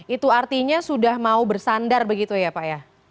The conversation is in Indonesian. itu artinya sudah mau bersandar begitu ya pak ya